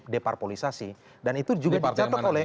deparpolisasi dan itu juga dicatat oleh